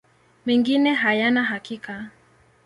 Mengine hayana hakika.